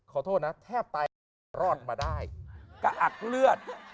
ขอโทษนะแทบตายรอดมาได้กะอักเลือด